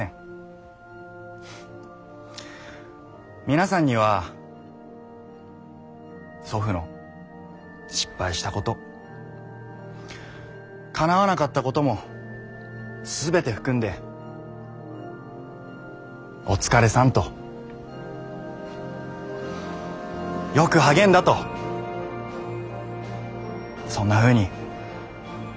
皆さんには祖父の失敗したことかなわなかったことも全て含んで「お疲れさん」と「よく励んだ」とそんなふうに渋沢栄一を思い出していただきたい。